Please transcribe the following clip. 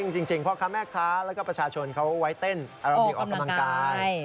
จริงพ่อค้าแม่ค้าแล้วก็ประชาชนเขาไว้เต้นอาราบีออกกำลังกาย